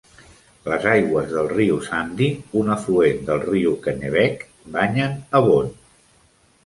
Les aigües del riu Sandy, un afluent del riu Kennebec, banyen Avon.